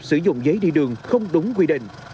sử dụng giấy đi đường không đúng quy định